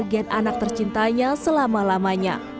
bagian anak tercintanya selama lamanya